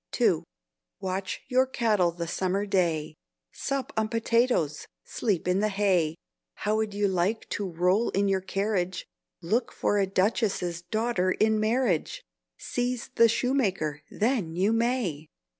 II. You watch your cattle the summer day, Sup on potatoes, sleep in the hay; How would you like to roll in your carriage, Look for a duchess's daughter in marriage? Seize the Shoemaker then you may!